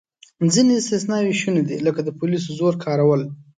ځینې استثناوې شونې دي، لکه د پولیسو زور کارول.